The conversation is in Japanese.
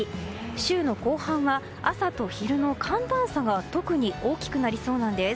週の後半は朝と昼の寒暖差が特に大きくなりそうなんです。